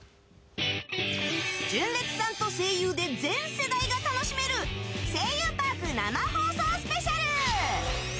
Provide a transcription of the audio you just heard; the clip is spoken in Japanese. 純烈さんと声優で全世代が楽しめる声優パーク生放送スペシャル。